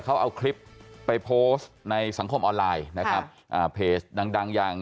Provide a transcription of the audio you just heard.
เขาเอาคลิปไปโพสต์ในสังคมออนไลน์นะครับอ่าเพจดังดังอย่าง